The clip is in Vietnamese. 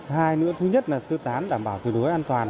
hai nữa thứ nhất là sư tán đảm bảo thủ đối an toàn